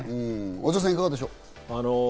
小澤さん、いかがでしょう？